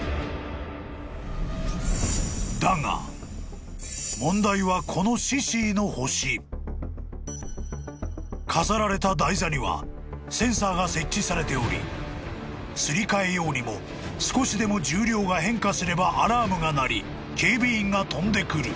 ［だが問題はこのシシィの星］［飾られた台座にはセンサーが設置されておりすり替えようにも少しでも重量が変化すればアラームが鳴り警備員が飛んでくる］